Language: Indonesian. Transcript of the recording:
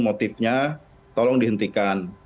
motifnya tolong dihentikan